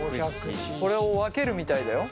これを分けるみたいだよ。